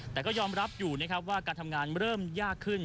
แต่ก็ยอมรับอยู่นะครับว่าการทำงานเริ่มยากขึ้น